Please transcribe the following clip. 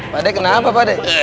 pak dek kenapa pak de